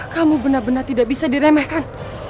kamu benar benar tidak bisa diremehkan